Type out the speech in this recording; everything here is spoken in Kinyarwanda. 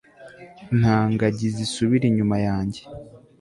nta ngagi zisubira inyuma yanjye